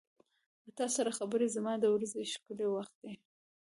• له تا سره خبرې زما د ورځې ښکلی وخت دی.